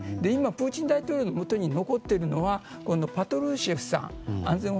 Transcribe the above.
今プーチン大統領のもとに残っているのはパトルシェフさん